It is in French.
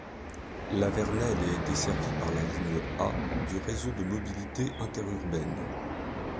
La Vernelle est desservie par la ligne A du Réseau de mobilité interurbaine.